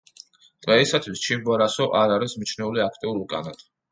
დღეისათვის ჩიმბორასო არ არის მიჩნეული აქტიურ ვულკანად.